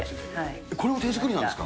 これも手作りなんですか。